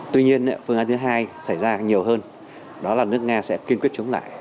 tuy nhiên phương án thứ hai xảy ra nhiều hơn đó là nước nga sẽ kiên quyết chống lại